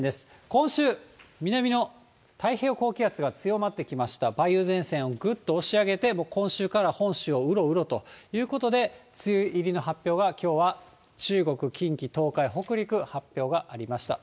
今週、南の太平洋高気圧が強まってきました、梅雨前線をぐっと押し上げて、今週から本州をうろうろということで、梅雨入りの発表が、きょうは中国、近畿、東海、北陸、発表がありました。